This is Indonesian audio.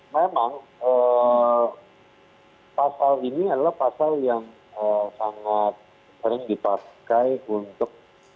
memang pasal ini adalah pasal yang sangat sering dipakai untuk